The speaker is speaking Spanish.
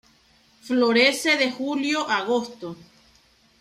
Florece de julio a agosto.